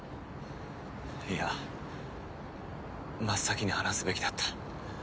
いや真っ先に話すべきだった。